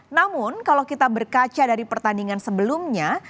namun kalau kita berkaca dari pertandingan sebelumnya